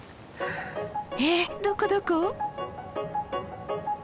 えっ？どこどこ？